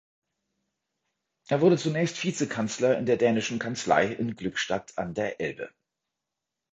Er wurde zunächst Vizekanzler in der Dänischen Kanzlei in Glückstadt an der Elbe.